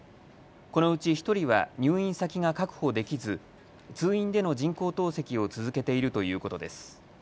このうち１人は入院先が確保できず通院での人工透析を続けているということです。